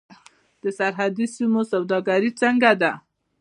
د سرحدي سیمو سوداګري څنګه ده؟